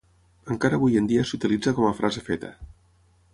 Encara avui en dia s'utilitza com a frase feta.